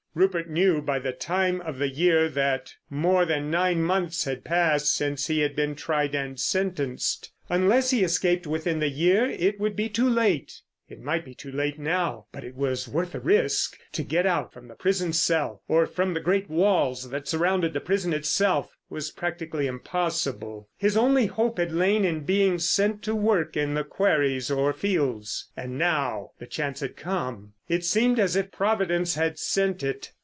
Rupert knew by the time of the year that more than nine months had passed since he had been tried and sentenced. Unless he escaped within the year it would be too late. It might be too late now, but it was worth the risk. To get out from the prison cell, or from the great walls that surrounded the prison itself, was practically impossible. His only hope had lain in being sent to work in the quarries or fields. And now the chance had come. It seemed as if Providence had sent it.